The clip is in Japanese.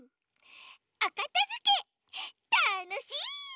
おかたづけたのしい！